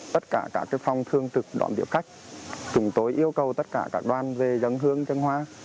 tất cả các phòng thương trực đón tiếp khách chúng tôi yêu cầu tất cả các đoàn về dân hương dân hoa